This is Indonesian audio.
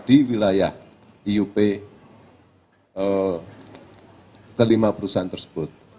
di wilayah iup kelima perusahaan tersebut